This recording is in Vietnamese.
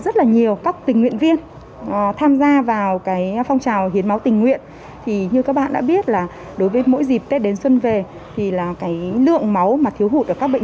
thì phong trào hiến máu càng trở nên ý nghĩa